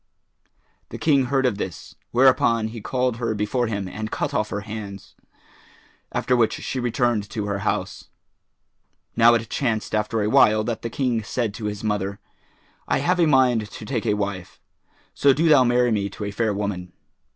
The King heard of this; whereupon he called her before him and cut off her hands, after which she returned to her house. Now it chanced after a while that the King said to his mother, "I have a mind to take a wife; so do thou marry me to a fair woman."